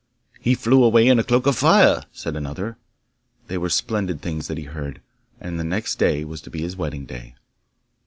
'He flew away in a cloak of fire,' said another. They were splendid things that he heard, and the next day was to be his wedding day.